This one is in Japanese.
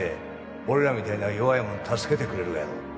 俺らみたいな弱いもん助けてくれるがやろ？